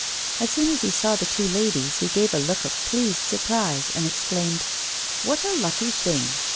As soon as he saw the two ladies he gave a look of pleased surprise, and exclaimed :" What a lucky thing